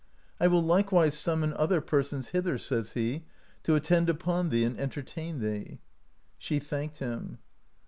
"I will hkewise summon other persons hither," says he to attend upon thee and entertain thee/' She thanked him.